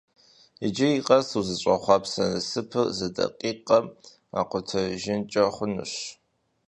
Иджыри къэс узыщӀэхъуэпса насыпыр зы дакъикъэм къутэжынкӀэ хъунущ.